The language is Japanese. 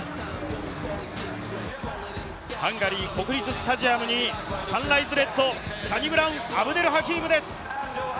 ハンガリー国立スタジアムにサンライズレッドサニブラウン・アブデル・ハキームです。